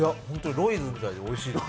ロイズみたいでおいしいです。